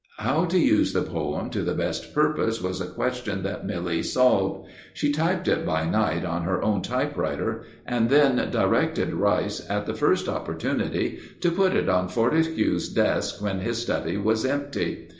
How to use the poem to the best purpose was a question that Milly solved. She typed it by night on her own typewriter, and then directed Rice, at the first opportunity, to put it on Fortescue's desk when his study was empty.